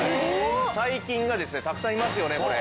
細菌がですねたくさんいますよねこれ。